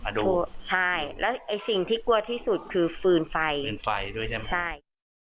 ใช่แล้วไอ้สิ่งที่กลัวที่สุดคือฟืนไฟฟืนไฟด้วยใช่ไหมใช่